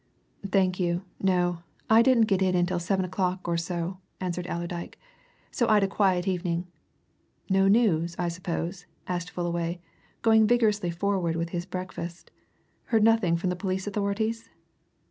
"Thank you no, I didn't get in until seven o'clock or so," answered Allerdyke. "So I'd a quiet evening." "No news, I suppose?" asked Fullaway, going vigorously forward with his breakfast. "Heard nothing from the police authorities?"